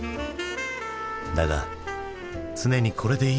だが常にこれでいいのか？